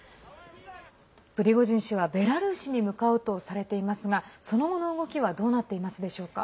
プリゴジン氏はベラルーシに向かうとされていますがその後の動きはどうなっていますでしょうか。